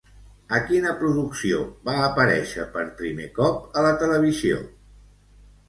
A quina producció va aparèixer per primer cop a la televisió?